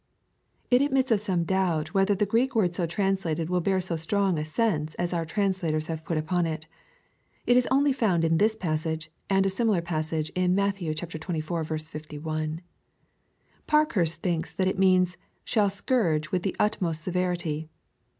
] It admits of some doubt whether the Greek word so translated will bear so strong a sense as oup translators have put upon it. It is only found in this passage, and a similar passage in Matt. xxiv. 51. Parkhurst thinks that it means, " shall scourge with the utmost severity."